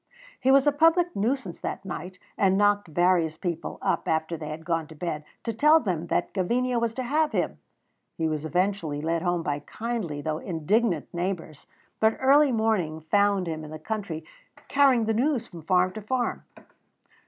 He was a public nuisance that night, and knocked various people up after they had gone to bed, to tell them that Gavinia was to have him. He was eventually led home by kindly though indignant neighbours; but early morning found him in the country, carrying the news from farm to farm.